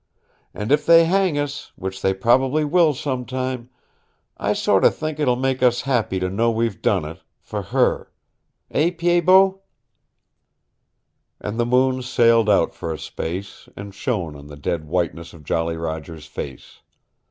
And if they hang us, which they probably will some time, I sort o' think it'll make us happy to know we've done it for her. Eh, Pied Bot?" And the moon sailed out for a space, and shone on the dead whiteness of Jolly Roger's face.